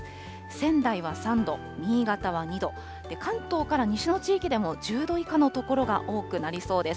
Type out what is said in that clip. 仙台は３度、新潟は２度、関東から西の地域でも１０度以下の所が多くなりそうです。